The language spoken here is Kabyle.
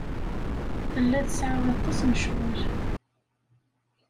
Tella tesɛa aṭas n ccɣel.